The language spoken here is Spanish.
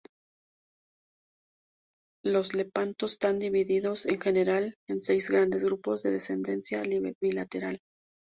Los lepanto están divididos, en general, en seis grandes grupos de descendencia bilateral.